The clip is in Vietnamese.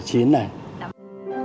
dịch bệnh vẫn đang có nhiều dịch